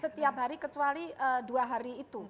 setiap hari kecuali dua hari itu